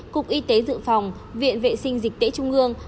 cục y tế dự phòng viện vệ sinh dịch tễ trung ương